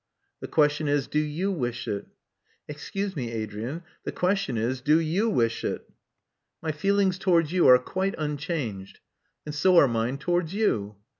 "The question is, do you wish it? Excuse me, Adrian: the question is, do you wish it?'* '*My feelings towards you are quite unchanged." '*And so are mine towards you.